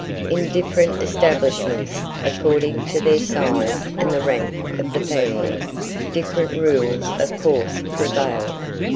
In different establishments, according to their size and the rank of the family, different rules of course prevail.